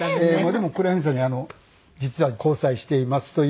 でも黒柳さんに実は交際していますという。